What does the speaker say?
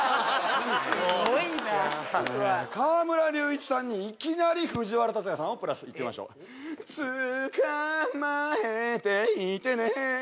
おおお河村隆一さんにいきなり藤原竜也さんをプラスいってみましょうつかまえていてね